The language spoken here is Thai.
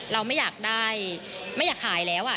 เราไม่อยากได้ไม่อยากขายแล้ว